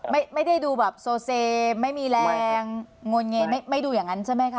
ไม่ได้ดูแบบโซเซไม่มีแรงงนเงยไม่ดูอย่างนั้นใช่ไหมคะ